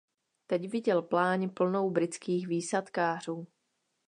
Teď viděl pláň plnou britských výsadkářů.